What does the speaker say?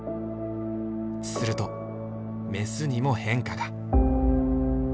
するとメスにも変化が。